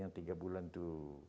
yang tiga bulan itu